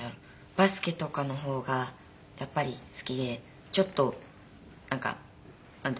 バスケとかの方がやっぱり好きでちょっとなんていうのかな。